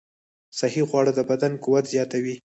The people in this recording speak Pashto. صحي خواړه د بدن قوت زیاتوي.